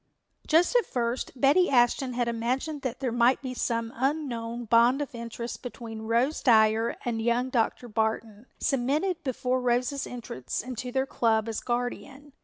Just at first Betty Ashton had imagined that there might be some unknown bond of interest between Rose Dyer and young Dr. Barton, cemented before Rose's entrance into their club as guardian.